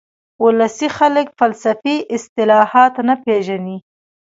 ولسي خلک فلسفي اصطلاحات نه پېژني